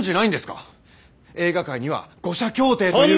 映画界には五社協定という。